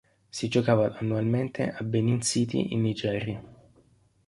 Si giocava annualmente a Benin City in Nigeria.